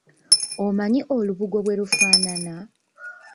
Omanyi olubugo bwe lufaanana?